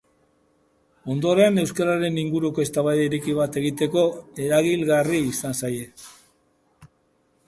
Ondoren, euskararen inguruko eztabaida ireki bat egiteko eragilgarri izan zaie.